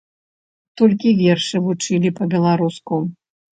Толькі вершы вучылі па-беларуску.